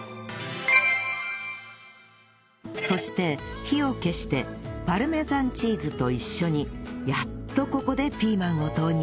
そして火を消してパルメザンチーズと一緒にやっとここでピーマンを投入